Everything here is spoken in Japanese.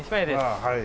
ああはい。